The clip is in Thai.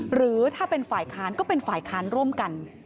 หรือถ้าเป็นฝ่ายค้านก็เป็นฝ่ายค้านร่วมกัน